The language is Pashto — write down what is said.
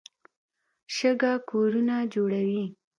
شګه کورونه جوړوي.